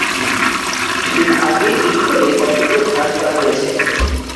কিছুদিন আগে ইট ফেলে গর্তগুলো ভরাট করা হয়েছে।